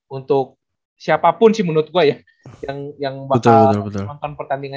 untuk siapapun sih menurut gue ya yang bakal nonton pertandingan